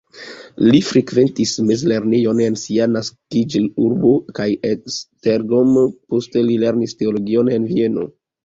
Li frekventis mezlernejojn en sia naskiĝurbo kaj Esztergom, poste li lernis teologion en Vieno.